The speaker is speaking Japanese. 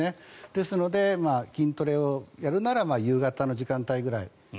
ですので筋トレをやるなら夕方の時間帯くらい。